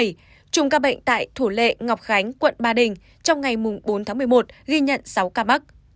chùm ca bệnh tại thủ lệ ngọc khánh quận ba đình trong ngày bốn tháng một mươi một ghi nhận sáu ca mắc